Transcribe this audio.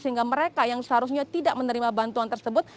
sehingga mereka yang seharusnya tidak menerima bantuan tersebut